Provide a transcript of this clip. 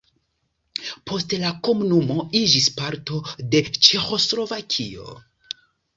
Poste la komunumo iĝis parto de Ĉeĥoslovakio.